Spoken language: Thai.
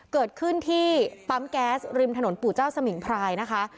เกิดขึ้นที่ปั๊มแก๊สริมถนนปู่เจ้าสมิงพรายนะคะ